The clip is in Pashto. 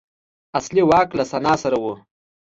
اصلي واک له سنا سره و